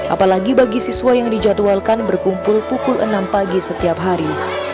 apalagi bagi siswa yang dijadwalkan berkumpul pukul enam pagi setiap hari